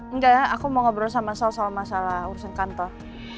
enggak ya aku mau ngobrol sama soal soal masalah urusan kantor